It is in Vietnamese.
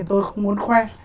tôi không muốn khoe